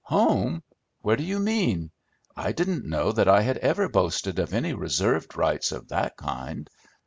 "Home! Where do you mean? I didn't know that I had ever boasted of any reserved rights of that kind.